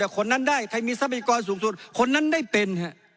คนนั้นได้ใครมีทรัพยากรสูงสุดคนนั้นได้เป็น